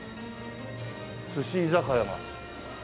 すし居酒屋が。